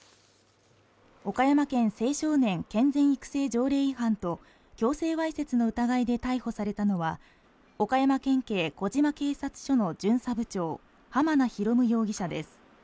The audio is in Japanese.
岡山県青少年健全育成条例違反と強制わいせつの疑いで逮捕されたのは岡山県警児島警察署の巡査部長濱名啓容疑者です。